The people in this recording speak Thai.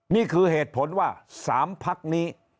นี่คือเหตุผลว่า๓พักนี้